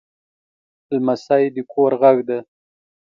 لمسی د کور غږ دی.